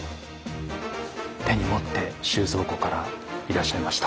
手に持って収蔵庫からいらっしゃいました。